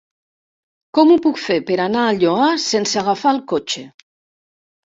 Com ho puc fer per anar al Lloar sense agafar el cotxe?